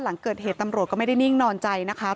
หลังเกิดเหตุตำรวจก็ไม่ได้นิ่งนอนใจนะคะ